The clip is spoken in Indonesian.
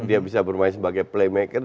dia bisa bermain sebagai playmaker